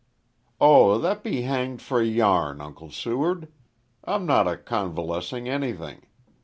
"Oh, that be hanged for a yarn, Uncle Seward. I'm not a convalescing anything.